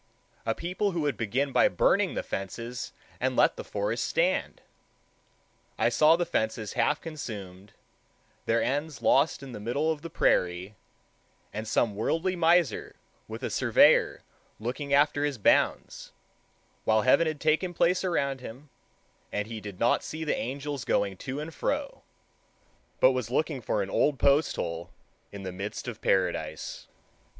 A people who would begin by burning the fences and let the forest stand! I saw the fences half consumed, their ends lost in the middle of the prairie, and some worldly miser with a surveyor looking after his bounds, while heaven had taken place around him, and he did not see the angels going to and fro, but was looking for an old post hole in the midst of paradise.